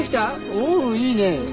おおいいね。